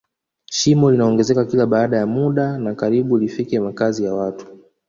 shimo linaongezeka kila baada ya muda na karibu lifikie makazi ya watu